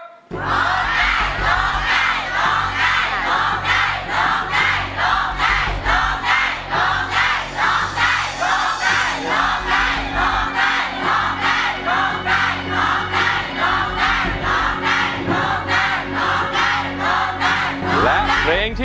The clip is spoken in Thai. ร้องได้ร้องได้ร้องได้ร้องได้